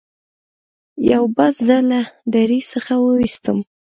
یو باز زه له درې څخه وویستم.